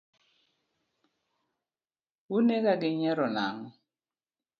Unega gi nyiero nang’o?